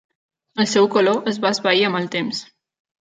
El seu color es va esvair amb el temps.